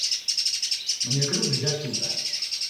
Мне крюк взять тута.